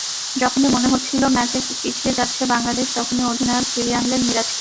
যখনই মনে হচ্ছিল ম্যাচে পিছিয়ে যাচ্ছে বাংলাদেশ, তখনই অধিনায়ক ফিরিয়ে আনলেন মিরাজকে।